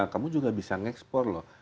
kamu juga bisa ngekspor loh